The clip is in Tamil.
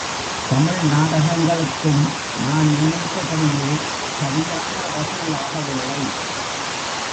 தமிழ் நாடகங்களுக்கும், நான் நினைத்தபடியே சரியான வசூலாக வில்லை.